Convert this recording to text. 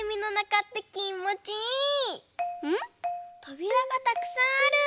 とびらがたくさんある。